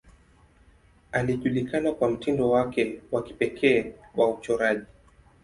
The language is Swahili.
Alijulikana kwa mtindo wake wa kipekee wa uchoraji.